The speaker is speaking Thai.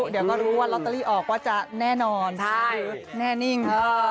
เดี๋ยวก็รู้ว่าลอตเตอรี่ออกว่าจะแน่นอนใช่แน่นิ่ง